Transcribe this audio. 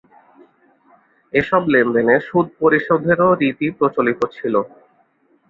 এসব লেনদেনে সুদ পরিশোধেরও রীতি প্রচলিত ছিল।